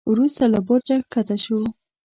وروسته له برجه کښته شو.